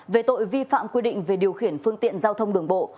về tội vi phạm quy định về điều khiển phương tiện giao thông đường bộ